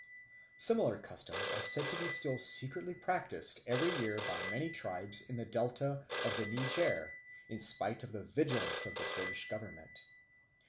Similar customs are said to be still secretly practised every year by many tribes in the delta of the Niger in spite of the vigilance of the British Government.